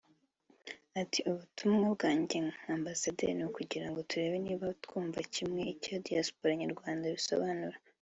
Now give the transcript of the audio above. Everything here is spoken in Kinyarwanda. Ati "Ubutumwa bwanjye nka Ambasaderi ni ukugira ngo turebe niba twumva kimwe icyo Diaspora Nyarwanda bisobanura